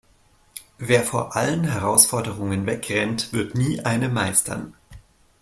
Wer vor allen Herausforderungen wegrennt, wird nie eine meistern.